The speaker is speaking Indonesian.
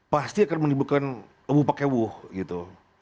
pasti akan menimbulkan wuh pakai wuh gitu